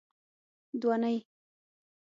دونۍ